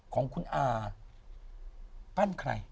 ของคุณอาปั้นใคร